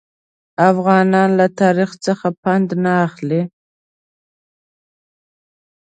افغانان له تاریخ څخه پند نه اخلي.